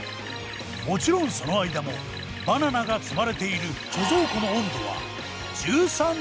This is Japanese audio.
もちろんその間もバナナが積まれている貯蔵庫の温度は１３．５度！